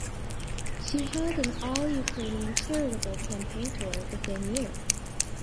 She held an all-Ukrainian charitable campaign tour the same year.